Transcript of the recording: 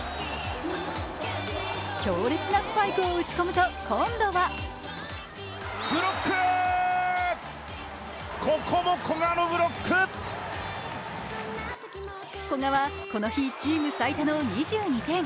強烈なスパイクを打ち込むと今度は古賀はこの日、チーム最多の２２点。